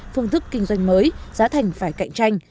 phương thức kinh doanh mới giá thành phải cạnh tranh